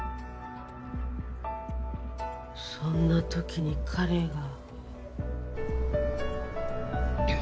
そんな時に彼が。